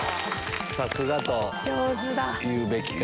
さすがと言うべきか。